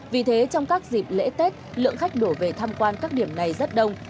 vì thế trong các dịp lễ tết lượng khách đổ về tham quan các điểm này rất đông